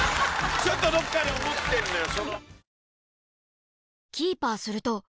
ちょっとどこかで思ってるのよ。